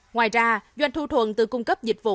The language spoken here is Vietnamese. ngoài ra doanh thu thuần từ cung cấp dịch vụ